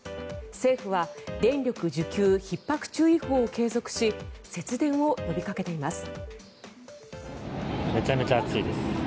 政府は電力需給ひっ迫注意報を継続し節電を呼びかけています。